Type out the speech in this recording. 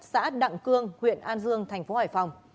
xã đặng cương huyện an dương tp hải phòng